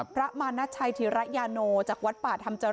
พระมาณชัยธิระยาโนจากวัดป่าธรรมเจริญ